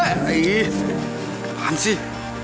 aih kapan sih